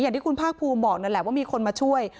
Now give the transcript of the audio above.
อย่างที่คุณภาคภูมิบอกนั่นแหละว่ามีคนมาช่วย